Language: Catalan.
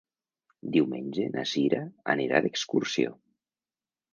Diumenge na Cira anirà d'excursió.